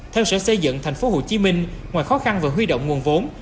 theo sở xây dựng tp hcm ngoài khó khăn vừa huy động nguồn vốn